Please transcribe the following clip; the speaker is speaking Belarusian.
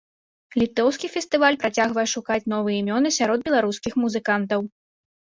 Літоўскі фестываль працягвае шукаць новыя імёны сярод беларускіх музыкантаў.